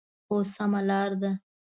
هو، سمه لار ده